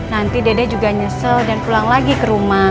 nanti dede juga nyesel dan pulang lagi ke rumah